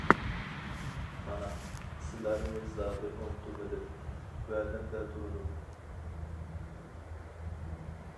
مانا، سىلەرنى زادى ئۇنتۇمىدىم، ۋەدەمدە تۇردۇم.